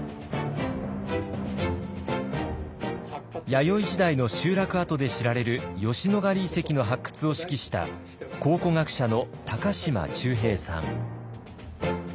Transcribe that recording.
弥生時代の集落跡で知られる吉野ヶ里遺跡の発掘を指揮した考古学者の高島忠平さん。